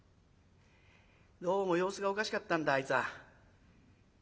どうも様子がおかしかったんだあいつは。